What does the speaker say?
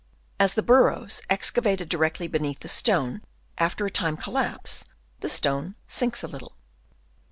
As the burrows ex cavated directly beneath the stone after a time collapse, the stone sinks a little.